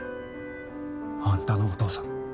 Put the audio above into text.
あんたのお父さん